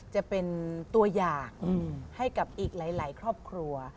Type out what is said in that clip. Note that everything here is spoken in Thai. จะเป็นตัวอย่างให้กับอีกหลายครอบครัว